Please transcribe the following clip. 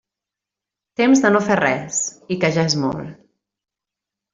Temps de no fer res, i que ja és molt.